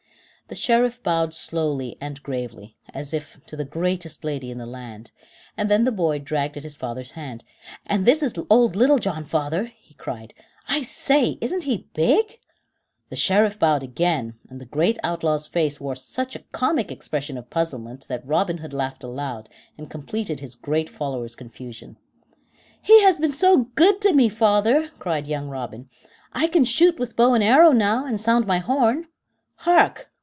The Sheriff bowed slowly 'and gravely, as if to the greatest lady in the land, and then the boy dragged at his father's hand. "And this is old Little John, father," he cried. "I say, isn't he big!" The Sheriff bowed again, and the great outlaw's face wore such a comic expression of puzzlement that Robin Hood laughed aloud, and completed his great follower's confusion. "He has been so good to me, father," cried young Robin. "I can shoot with bow and arrow now, and sound my horn. Hark!"